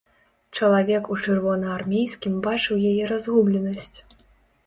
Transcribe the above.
Чалавек у чырвонаармейскім бачыў яе разгубленасць.